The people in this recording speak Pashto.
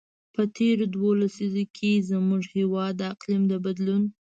په تېرو دوو لسیزو کې، زموږ هېواد د اقلیم د بدلون.